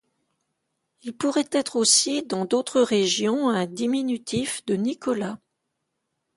Il pourrait être aussi, dans d'autres régions, un diminutif de Nicolas.